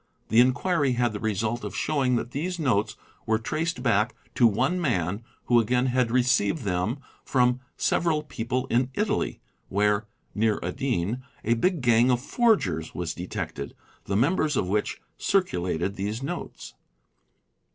The inquiry had the result of showing that these notes were traced back to one man who again had received them from several people in Italy, where (near Adine) a big gang of forgers was detected, the members of which circulated these notes.